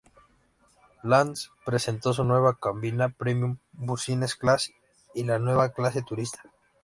Lan presentó sus nuevas cabinas "Premium Business Class" y la nueva Clase Turista.